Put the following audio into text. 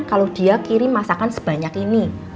kalau dia kirim masakan sebanyak ini